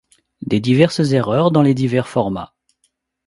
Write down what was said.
Des diverses erreurs dans les divers formats